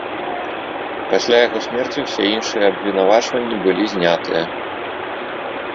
Пасля яго смерці ўсе іншыя абвінавачванні былі знятыя.